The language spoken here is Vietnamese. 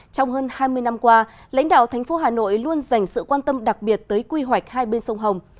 trong hơn hai mươi năm qua lãnh đạo thành phố hà nội luôn dành sự quan tâm đặc biệt tới quy hoạch hai bên sông hồng